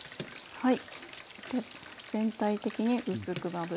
はい。